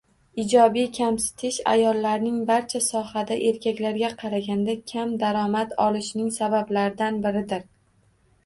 Ijobiy kamsitish ayollarning barcha sohalarda erkaklarga qaraganda kam daromad olishining sabablaridan biridir